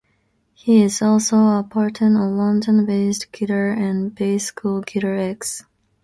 He is also a Patron of London-based guitar and bass school, Guitar-X.